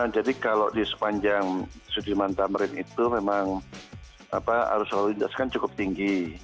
jadi kalau di sepanjang sudirman tamarin itu memang arus lalu lintas kan cukup tinggi